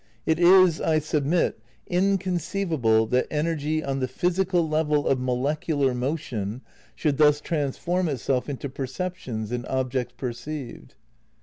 It is, I submit, inconceivable that energy on the physical level of molecular motion should thus transform itself into perceptions and objects perceived.